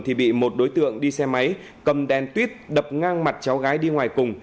thì bị một đối tượng đi xe máy cầm đèn tuyếp đập ngang mặt cháu gái đi ngoài cùng